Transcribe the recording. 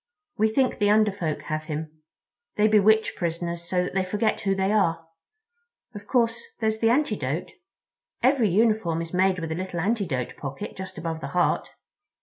We think the Under Folk have him. They bewitch prisoners so that they forget who they are. Of course, there's the antidote. Every uniform is made with a little antidote pocket just over the heart."